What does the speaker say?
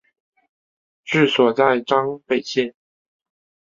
治所在张北县。